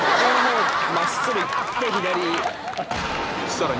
さらに